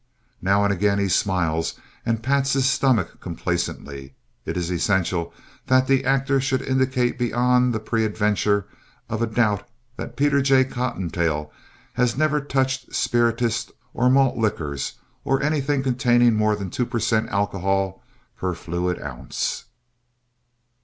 Now and again he smiles and pats his stomach complacently. It is essential that the actor should indicate beyond the peradventure of a doubt that Peter J. Cottontail has never touched spirituous or malt liquors or anything containing more than two per cent of alcohol per fluid ounce.